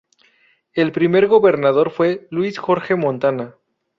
El primer gobernador fue Luis Jorge Fontana.